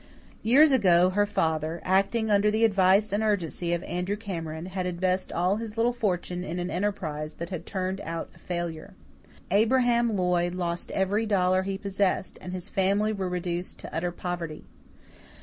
Years ago, her father, acting under the advice and urgency of Andrew Cameron, had invested all his little fortune in an enterprise that had turned out a failure. Abraham Lloyd lost every dollar he possessed, and his family were reduced to utter poverty.